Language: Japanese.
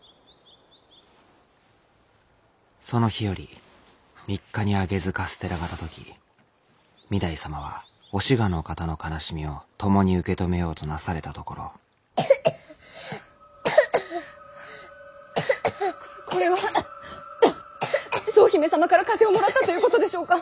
その日より３日に上げずカステラが届き御台様はお志賀の方の悲しみを共に受け止めようとなされたところこれは総姫様から風邪をもらったということでしょうか。